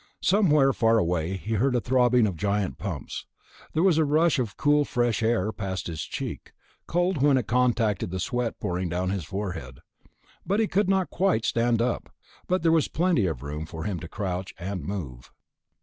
Somewhere far away he heard a throbbing of giant pumps. There was a rush of cool fresh air past his cheek, cold when it contacted the sweat pouring down his forehead. He could not quite stand up, but there was plenty of room for him to crouch and move.